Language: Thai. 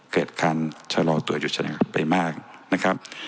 เกิดการชะลอตัวอยู่ฉะนั้นไปมาก